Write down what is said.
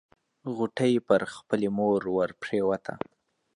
غوټۍ پر خپلې مور ورپريوته.